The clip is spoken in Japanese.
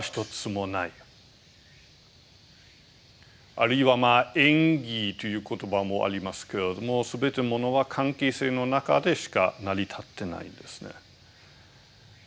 あるいは「縁起」という言葉もありますけれども全てものは関係性の中でしか成り立ってないんですね。